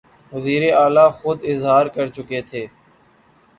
وزیراعلیٰ خود اظہار کرچکے تھے